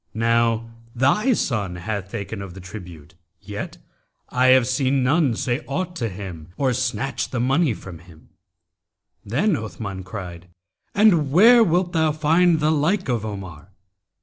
Now thy son hath taken of the tribute, yet I have seen none say aught to him or snatch the money from him.' Then Othman[FN#276] cried, 'And where wilt thou find the like of Omar?'